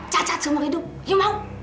cacat seumur hidup kamu mau